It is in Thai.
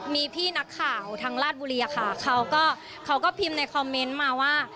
มีพี่หนักข่าวทางราวบุรีค่ะเค้าก็พิมพ์ในคอมเม้นต์มาว่า